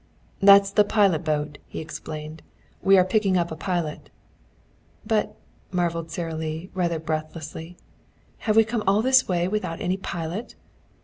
"That's the pilot boat," he explained. "We are picking up a pilot." "But," marveled Sara Lee rather breathlessly, "have we come all the way without any pilot?"